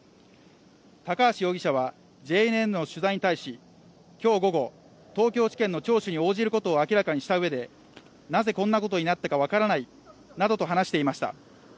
高橋容疑者はＪＮＮの取材に対し今日午後、東京地検の聴取に応じることを明らかにしたうえでなぜこんなことになったのか分からないなどと話していました。